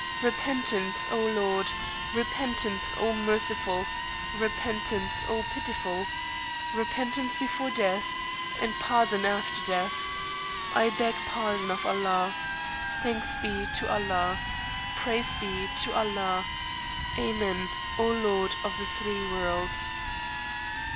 Repentance, O Lord! Repentance, O Merciful! Repentance, O Pitiful! Repentance before Death, and Pardon after Death! I beg pardon of Allah! Thanks be to Allah! Praise be to Allah! Amen, O Lord of the (three) Worlds!